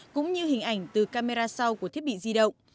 cũng như hình ảnh từ camera sau của thiết bị di động